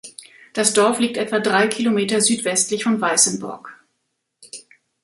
Das Dorf liegt etwa drei Kilometer südwestlich von Weißenburg.